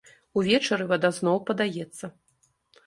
Увечары вада зноў падаецца.